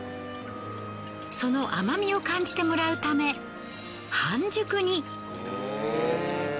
その甘みを感じてもらうため半熟に。